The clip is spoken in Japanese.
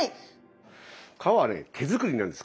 皮はね手作りなんです。